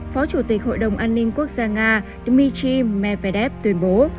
phó chủ tịch hội đồng an ninh quốc gia nga dmitry medvedev tuyên bố